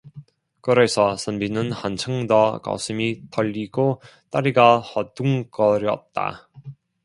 그래서 선비는 한층더 가슴이 떨리고 다리가 허둥거렸다.